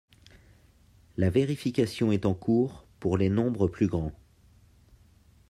La vérification est en cours pour les nombres plus grands.